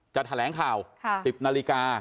แถลงข่าว๑๐นาฬิกา